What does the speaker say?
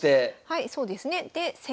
はいそうですね。